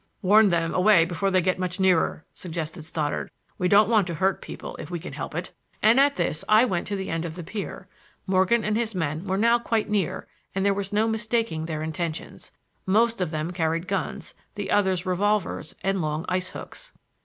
"Warn them away before they get much nearer," suggested Stoddard. "We don't want to hurt people if we can help it,"—and at this I went to the end of the pier. Morgan and his men were now quite near, and there was no mistaking their intentions. Most of them carried guns, the others revolvers and long ice hooks.